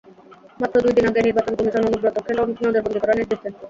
মাত্র দুই দিন আগে নির্বাচন কমিশন অনুব্রতকে নজরবন্দী করার নির্দেশ দেন।